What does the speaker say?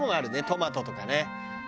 トマトとかね。